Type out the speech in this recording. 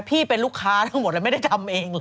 พี่เป็นลูกค้าทั้งหมดเลยไม่ได้ทำเองเลย